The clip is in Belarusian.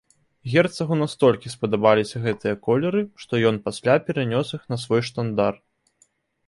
Герцагу настолькі спадабаліся гэтыя колеры, што ён пасля перанёс іх на свой штандар.